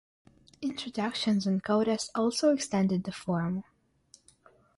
Introductions and codas also extended the form.